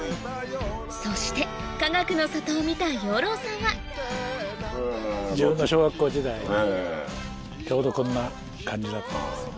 そしてかがくの里を見た養老さんは自分の小学校時代ちょうどこんな感じだったんです。